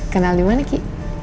kenal dimana ki